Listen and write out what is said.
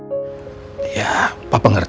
merahuman hanya selalu di angka yang berat